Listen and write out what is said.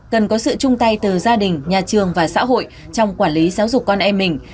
cần có sự chung tay từ gia đình nhà trường và xã hội trong quản lý giáo dục con em mình